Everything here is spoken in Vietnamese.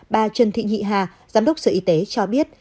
bà trần thị nhị hà giám đốc sở y tế cho biết